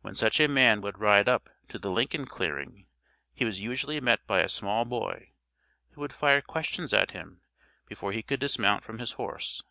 When such a man would ride up to the Lincoln clearing he was usually met by a small boy who would fire questions at him before he could dismount from his horse.